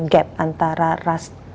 gap antara ras